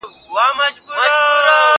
زه به سبا د يادښتونه بشپړ وکړم!